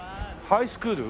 ハイスクール。